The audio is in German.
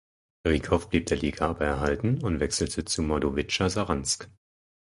Rykow blieb der Liga aber erhalten und wechselte zu Mordowija Saransk.